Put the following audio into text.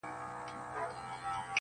• پر وجود څه ډول حالت وو اروا څه ډول وه.